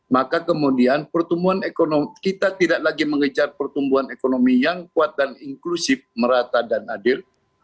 maka kemudian pertumbuhan ekonomi kita tidak lagi mengejar pertumbuhan ekonomi yang kuat dan inklusif merata dan adil